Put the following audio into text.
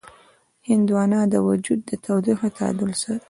هندوانه د وجود د تودوخې تعادل ساتي.